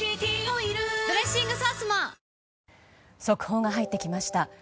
速報が入ってきました。